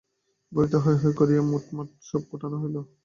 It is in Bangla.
গাড়িতে হৈ হৈ কারিয়া মোট-ঘাট সব উঠানো হইল।